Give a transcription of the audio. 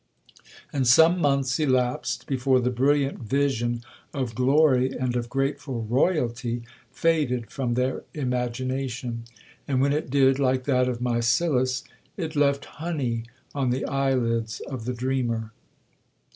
And some months elapsed before the brilliant vision of glory, and of grateful royalty, faded from their imagination; and when it did, like that of Micyllus, it left honey on the eye lids of the dreamer.